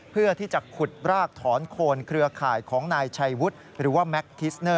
เพื่อที่จะขุดรากถอนโคนเครือข่ายของนายชัยวุฒิหรือว่าแม็กทิสเนอร์